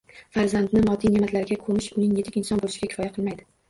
Farzandni moddiy ne’matlarga ko‘mish uning yetuk inson bo‘lishiga kifoya qilmaydi.